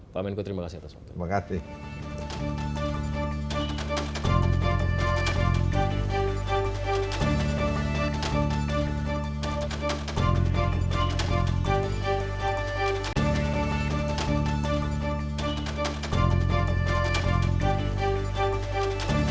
pak menko terima kasih atas waktu